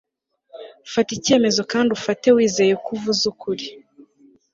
fata icyemezo kandi ufate wizeye ko uvuze ukuri